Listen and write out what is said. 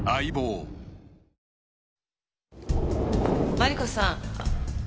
マリコさん。